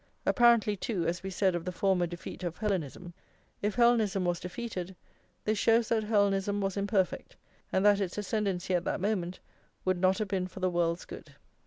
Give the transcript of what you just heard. Apparently, too, as we said of the former defeat of Hellenism, if Hellenism was defeated, this shows that Hellenism was imperfect, and that its ascendency at that moment would not have been for the world's good.